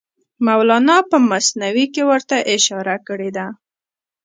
مولانا په مثنوي کې ورته اشاره کړې ده.